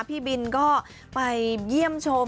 พี่บินก็ไปเยี่ยมชม